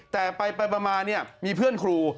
แต่ไปมาเนี่ยมีเพื่อนครู